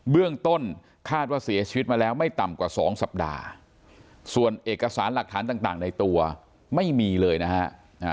เบื้องต้นคาดว่าเสียชีวิตมาแล้วไม่ต่ำกว่าสองสัปดาห์ส่วนเอกสารหลักฐานต่างในตัวไม่มีเลยนะฮะ